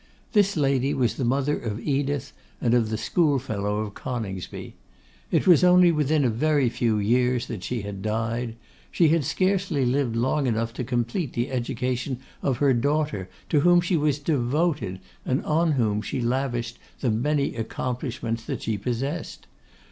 This lady was the mother of Edith and of the schoolfellow of Coningsby. It was only within a very few years that she had died; she had scarcely lived long enough to complete the education of her daughter, to whom she was devoted, and on whom she lavished the many accomplishments that she possessed.